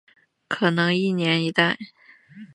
可能一年一代。